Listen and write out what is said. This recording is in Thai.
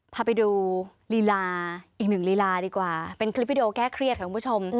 พาไปดูลีลาอีกหนึ่งลีลาดีกว่าเป็นคลิปวิดีโอแก้เครียดค่ะคุณผู้ชม